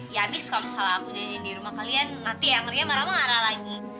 ya abis kalau misalnya aku janjin di rumah kalian nanti yang ngeri sama rama ngarah lagi